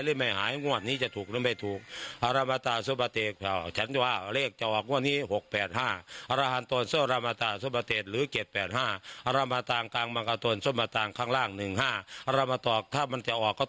เดี๋ยวท่านฟังเองก็แล้วกัน